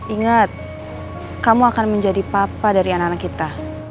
ingat kamu akan menjadi papa dari anak anak kita